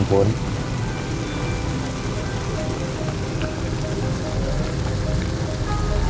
aku itu sehat lindung